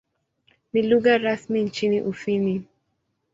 Ni lugha rasmi nchini Ufini.